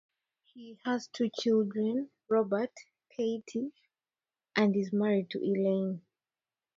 He has two children, Robert and Katy, and is married to Elaine.